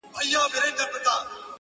د ښايست و کوه قاف ته” د لفظونو کمی راغی”